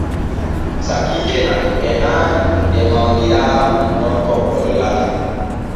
Sakiike am e ɗaanii de mawniraawo am gorko gollata.